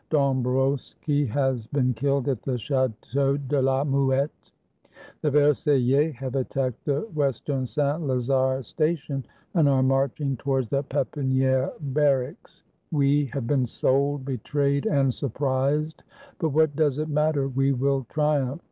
Dombrowski has been killed at the Chateau de la Muette. The Versail lais have attacked the Western Saint Lazare Station, and are marching towards the Pepiniere barracks. "We have been sold, betrayed, and surprised; but what does it matter, we will triumph.